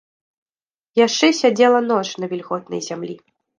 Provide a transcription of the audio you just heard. Яшчэ сядзела ноч на вільготнай зямлі.